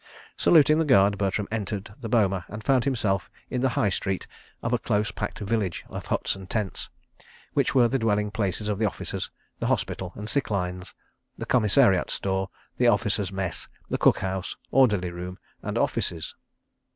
Saluting the guard, Bertram entered the boma and found himself in the High Street of a close packed village of huts and tents, which were the dwelling places of the officers, the hospital and sick lines, the commissariat store, the Officers' Mess, the cook house, orderly room, and offices.